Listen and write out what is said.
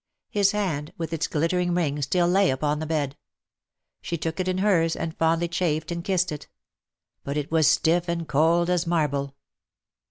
His hand, with its glittering ring, still Jay upon the bed ; she took it in hers, and fondly chafed and kissed it. But it was stiff and cold as marble